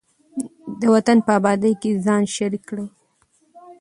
د وطن په ابادۍ کې ځان شریک کړئ.